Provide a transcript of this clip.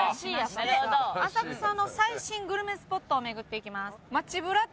浅草の最新グルメスポットを巡っていきます。